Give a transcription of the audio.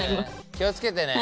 気を付けてね。